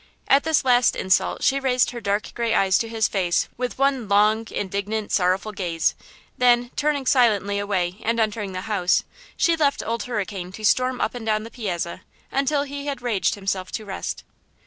At this last insult she raised her dark gray eyes to his face with one long indignant, sorrowful gaze; then, turning silently away and entering the house, she left Old Hurricane to storm up and down the piazza until he had raged himself to rest.